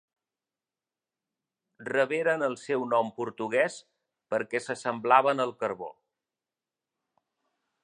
Reberen el seu nom portuguès perquè s'assemblaven al carbó.